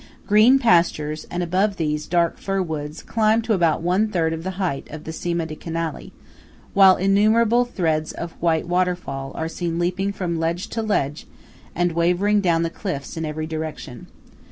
Green pastures, and above these, dark fir woods, climb to about one third of the height of the Cima di Canali; while innumerable threads of white waterfall are seen leaping from ledge to ledge and wavering down the cliffs in every direction.